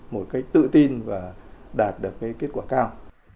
một cách tự tin và đạt được kết quả cao